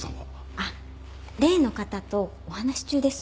あっ例の方とお話し中です。